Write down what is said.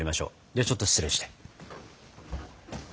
ではちょっと失礼して。